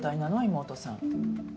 妹さん。